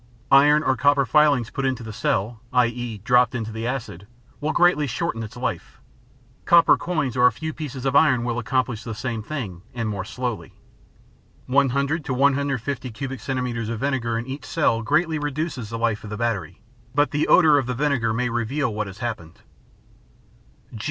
Iron or copper filings put into the cells i.e., dropped into the acid, will greatly shorten its life. Copper coins or a few pieces of iron will accomplish the same and more slowly. One hundred to 150 cubic centimeters of vinegar in each cell greatly reduces the life of the battery, but the odor of the vinegar may reveal what has happened.